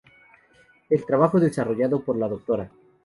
El trabajo desarrollado por la Dra.